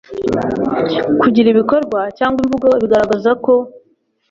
kugira ibikorwa cyangwa imvugo bigaragaza ko